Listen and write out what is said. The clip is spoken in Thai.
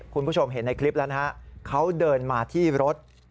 คุณผู้ชมเห็นในคลิปแล้วนะฮะเขาเดินมาที่รถ